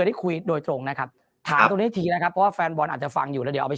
และอาวาสแทนเอง